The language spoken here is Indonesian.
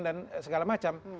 dan segala macam